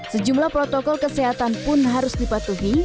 sejumlah protokol kesehatan pun harus dipatuhi